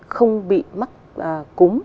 không bị mắc cúm